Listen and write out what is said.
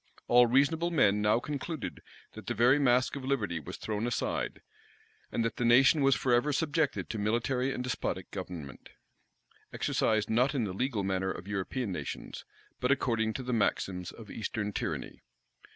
All reasonable men now concluded, that the very mask of liberty was thrown aside, and that the nation was forever subjected to military and despotic government, exercised not in the legal manner of European nations, but according to the maxims of Eastern tyranny.